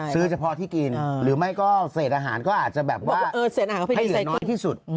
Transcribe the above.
เฉพาะที่กินหรือไม่ก็เศษอาหารก็อาจจะแบบว่าให้เหลือน้อยที่สุด